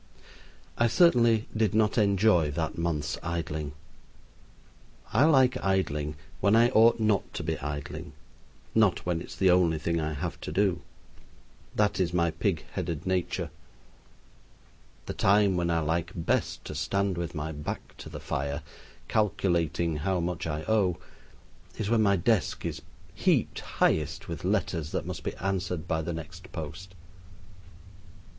I certainly did not enjoy that month's idling. I like idling when I ought not to be idling; not when it is the only thing I have to do. That is my pig headed nature. The time when I like best to stand with my back to the fire, calculating how much I owe, is when my desk is heaped highest with letters that must be answered by the next post.